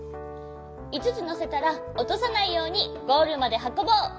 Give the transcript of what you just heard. いつつのせたらおとさないようにゴールまではこぼう。